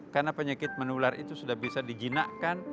karena penyakit menular itu sudah bisa di jinakkan